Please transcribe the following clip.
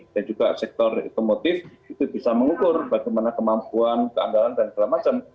dan juga sektor otomotif itu bisa mengukur bagaimana kemampuan keandalan dan segala macam